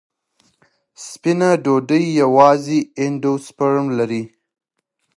سپینه ډوډۍ یوازې اندوسپرم لري.